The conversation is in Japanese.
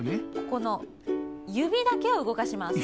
ここのゆびだけをうごかします。